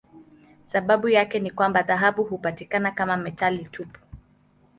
Sababu yake ni kwamba dhahabu hupatikana kama metali tupu.